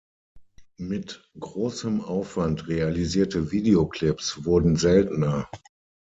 Mit großem Aufwand realisierte Videoclips wurden seltener.